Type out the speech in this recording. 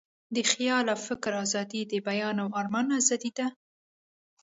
د خیال او فکر آزادي، د بیان او آرمان آزادي ده.